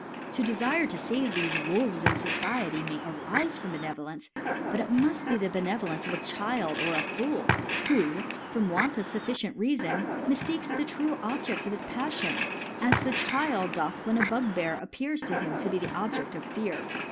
To defire to fave thefc Wolves in Society, may arife from Bene voledce 5 but it muft be the Benevolence of a Child or a Fool, who, from Want of Effi cient Reafon, miftakes the true Objeds of his Paflion, as a Child doth when a Bugbear appears to him to be the Obje6l of Fear.